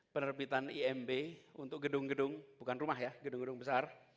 penerbitan imb untuk gedung gedung bukan rumah ya gedung gedung besar